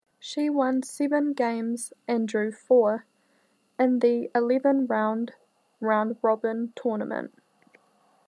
She won seven games and drew four, in the eleven-round round-robin tournament.